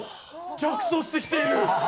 逆走してきている。